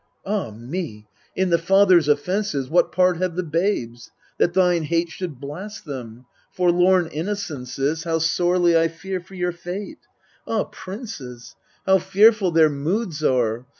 Ah me, in the father's offences What part have the babes, that thine hate Should blast them ? forlorn innocences, How sorely I fear for your fate ! Ah, princes how fearful their moods are